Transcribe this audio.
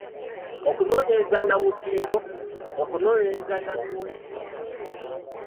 Okunoonyereza nnamutindo, okunoonyereza nnamiwendo.